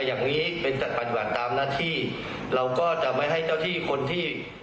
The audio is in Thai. อย่างนี้เป็นจัดปฏิบัติตามหน้าที่เราก็จะไม่ให้เจ้าที่คนที่